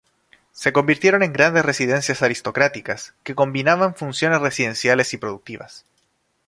Se convirtieron en grandes residencias aristocráticas que combinaban funciones residenciales y productivas.